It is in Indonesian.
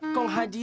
aku sih tahu